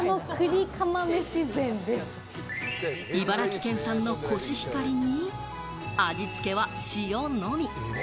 茨城県産のコシヒカリに味付けは塩のみ。